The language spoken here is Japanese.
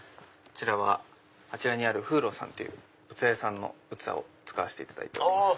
あちらにあるＦＵＵＲＯさんという器屋さんの器を使わせていただいております。